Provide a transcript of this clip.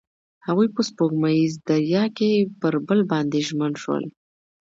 هغوی په سپوږمیز دریا کې پر بل باندې ژمن شول.